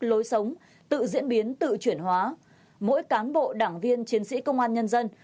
lối sống tự diễn biến tự chuyển hóa mỗi cán bộ đảng viên chiến sĩ công an nhân dân